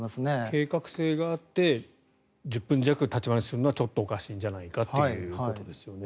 計画性があって１０分弱立ち話するのはちょっとおかしいんじゃないかということですね。